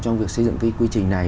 trong việc xây dựng cái quy trình này